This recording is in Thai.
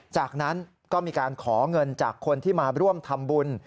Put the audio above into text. จากนั้นก็มีการขอเงินจากคนที่มาร่วมทำบุญ